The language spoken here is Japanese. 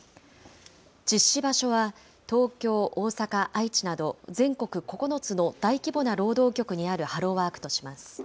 実施場所は東京、大阪、愛知など、全国９つの大規模な労働局にあるハローワークとします。